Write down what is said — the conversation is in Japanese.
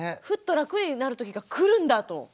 ふっと楽になる時が来るんだと。